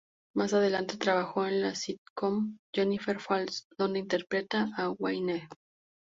Más adelante trabajó en la sitcom "Jennifer Falls", donde interpreta a Wayne.